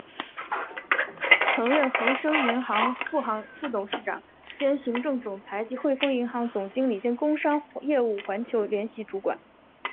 曾任恒生银行副董事长兼行政总裁及汇丰银行总经理兼工商业务环球联席主管。